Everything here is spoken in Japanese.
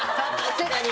確かに！